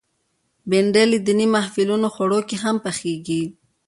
بېنډۍ له دینی محفلونو خوړو کې هم پخېږي